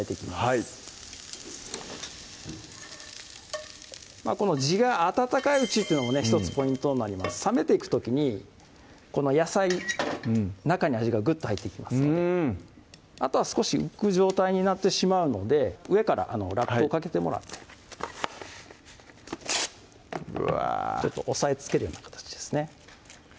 はい地があたたかいうちっていうのも１つポイントになります冷めていく時にこの野菜中に味がぐっと入っていきますのであとは少し浮く状態になってしまうので上からラップをかけてもらってうわ押さえつけるような形ですね